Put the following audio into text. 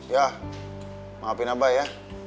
ya maafin abang ya